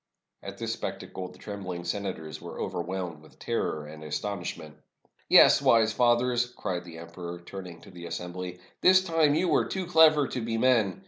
At this spectacle the trembling senators were over whelmed with terror and astonishment. "Yes, wise fathers," cried the emperor, turning to the assembly, "this time you were too clever to be men.